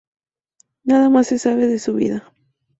Nada más se sabe de su vida.